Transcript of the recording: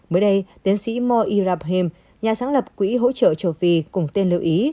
mới đây tiến sĩ mo irabhem nhà sáng lập quỹ hỗ trợ châu phi cùng tên lưu ý